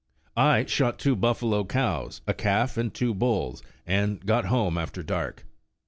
I shot two buffalo cows, a calf, and two bulls, and got home after dark.